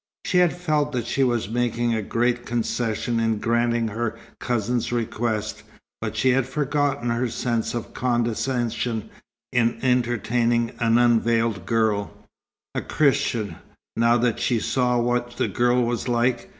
She had felt that she was making a great concession in granting her cousin's request, but she had forgotten her sense of condescension in entertaining an unveiled girl, a Christian, now that she saw what the girl was like.